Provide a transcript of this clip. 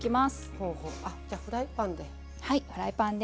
あっじゃあフライパンで。